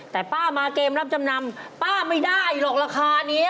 แต่ป้ามาเกมรับจำนำป้าไม่ได้หรอกราคานี้